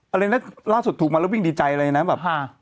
อะไรนั้นล่าสุดถูกมาเราก็บังดีใจเลยนะ